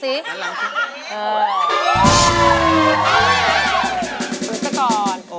ฝึกก่อน